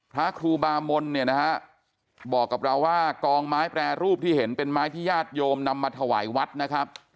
พระครูบามนเนี่ยนะฮะบอกกับเราว่ากองไม้แปรรูปที่เห็นเป็นไม้ที่ญาติโยมนำมาถวายวัดนะครับ